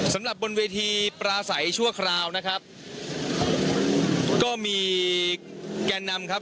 สำหรับบนเวทีปลาใสชั่วคราวนะครับก็มีแกนนำครับ